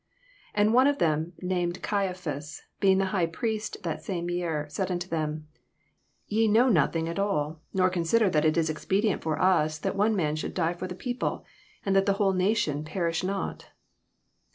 49 And one of them named Caiaphas, being the high priest that same year, said unto them, Ye know nothing at all, 60 Nor consider that it is expedient for OS, that one man should die for the people, and that the whole nation perish not.